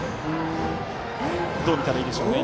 どう見たらいいでしょうね。